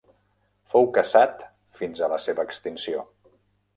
Fou caçat fins a la seva extinció.